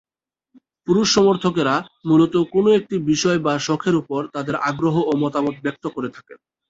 পুরুষ সমর্থকেরা মূলত কোন একটি বিষয় বা শখের উপর তাদের আগ্রহ ও মতামত ব্যক্ত করে থাকেন।